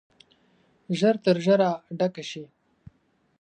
ژر تر ژره ډکه شي.